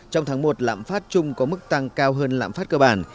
trong tháng một lãm phát chung có mức tăng cao hơn lãm phát cơ bản